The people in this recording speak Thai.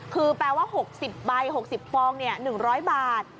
คือแปลว่า๖๐ใบ๖๐ฟอง๑๐๐บาท